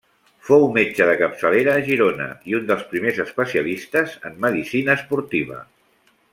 Fou metge de capçalera a Girona i un dels primers especialistes en medicina esportiva.